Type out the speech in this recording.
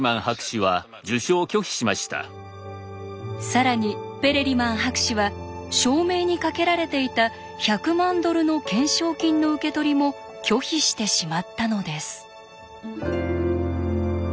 更にペレリマン博士は証明にかけられていた１００万ドルの懸賞金の受け取りも拒否してしまったのです。